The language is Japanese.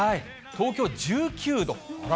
東京１９度。